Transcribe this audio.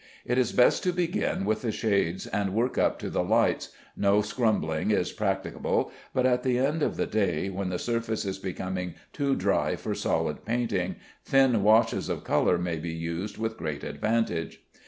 It is best to begin with the shades and work up to the lights, no scumbling is practicable, but at the end of the day, when the surface is becoming too dry for solid painting, thin washes of color may be used with great advantage.